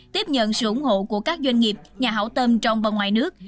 tiếp nhận sự ủng hộ của các doanh nghiệp nhà hảo tâm trong và ngoài nước